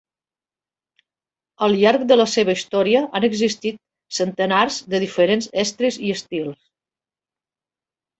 Al llarg de la seva història han existit centenars de diferents estris i estils.